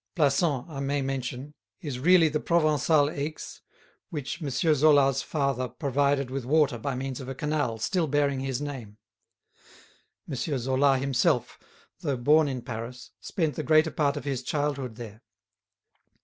Plassans, I may mention, is really the Provencal Aix, which M. Zola's father provided with water by means of a canal still bearing his name. M. Zola himself, though born in Paris, spent the greater part of his childhood there.